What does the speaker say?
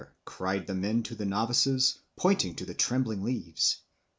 cried the men to the novices, pointing to the trembling leaves.